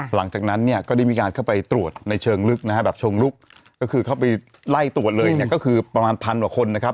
หลังจากนั้นเนี่ยก็มีการเจอในเชิงลึกนะแบบชงรุกคือเข้าไปไล่ตรวจเลยเนี่ยก็คืออันทนประมาณ๑๐๐๐แหวะคนนะครับ